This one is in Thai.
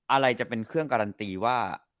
อะไรจะเป็นเครื่องการันตีว่า